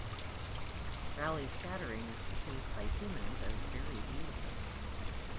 Raleigh scattering is perceived by humans as very beautiful.